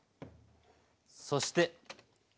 そして塩。